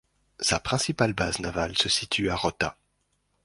Sa principale base navale se situe à Rota.